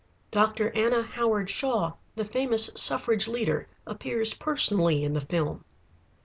Dr. Anna Howard Shaw, the famous suffrage leader, appears personally in the film.